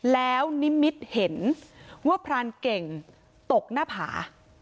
แล้วนิมิตเห็นว่าพรานเก่งตกหน้าผา